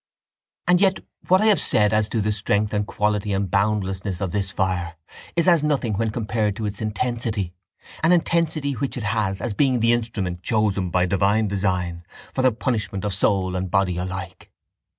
—And yet what I have said as to the strength and quality and boundlessness of this fire is as nothing when compared to its intensity, an intensity which it has as being the instrument chosen by divine design for the punishment of soul and body alike.